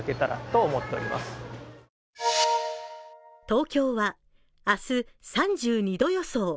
東京は明日３２度予想。